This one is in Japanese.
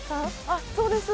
あっそうです。